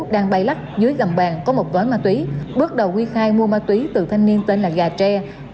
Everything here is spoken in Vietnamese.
đang bay lắc dưới gầm bàn có một gói ma túy bước đầu huy khai mua ma túy từ thanh niên tên là gà tre